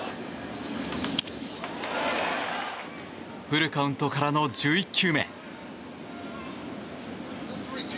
フルカウントからの１１球目。